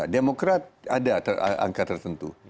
demokrat ada angka tertentu